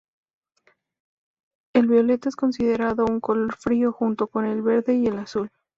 El violeta es considerado un color frío, junto con el verde y el azul.